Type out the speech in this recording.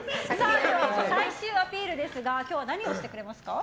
では、最終アピールですが今日は何をしてくれますか？